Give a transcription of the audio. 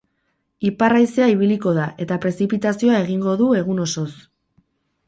Ipar-haizea ibiliko da eta prezipitazioa egingo du egun osoz.